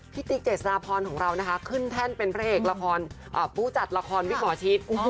พี่ติ๊กเจษนพรของเราขึ้นแท่นเป็นผู้จัดละครวิกห่อชิด